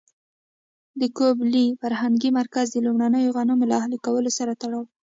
د ګوبک لي فرهنګي مرکز د لومړنیو غنمو له اهلي کولو سره تړاو لري.